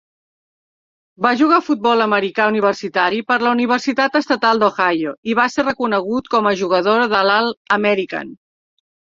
Va jugar a futbol americà universitari per a la Universitat Estatal d'Ohio, i va ser reconegut com a jugador de l'All-American.